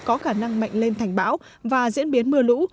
có khả năng mạnh lên thành bão và diễn biến mưa lũ